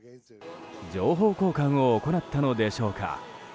情報交換を行ったのでしょうか。